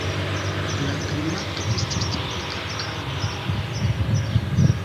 La klimato estas tropika kaj mara.